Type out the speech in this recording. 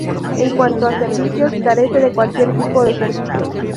En cuanto a servicios carece de cualquier tipo de servicio.